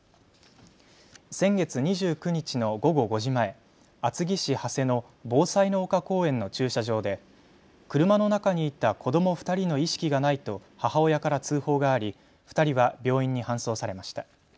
先月２９日の午後５時前、厚木市長谷のぼうさいの丘公園の駐車場で車の中にいた子ども２人の意識がないと母親から通報があり２人は病院に搬送されました。